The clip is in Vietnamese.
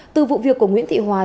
từ vụ việc của nguyễn thị hòa